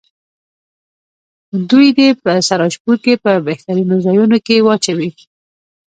دوی دې په سراجپور کې په بهترینو ځایونو کې واچوي.